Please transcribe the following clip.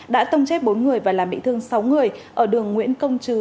đã tông chết bốn người và làm bị thương sáu người ở đường nguyễn công chứ